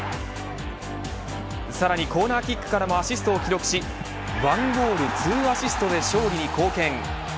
さらにコーナーキックからもアシストを記録し１ゴール２アシストで勝利に貢献。